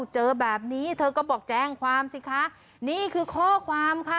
เจอแบบนี้เธอก็บอกแจ้งความสิคะนี่คือข้อความค่ะ